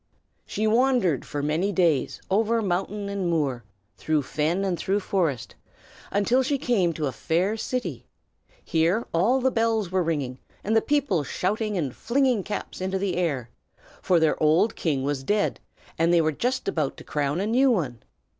She wandered for many days, over mountain and moor, through fen and through forest, until she came to a fair city. Here all the bells were ringing, and the people shouting and flinging caps into the air; for their old king was dead, and they were just about to crown a new one.